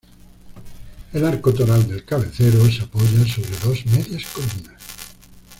El arco toral del cabecero se apoya sobre dos medias columnas.